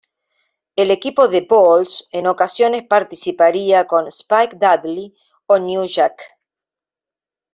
El equipo de Balls en ocasiones participaría con Spike Dudley o New Jack.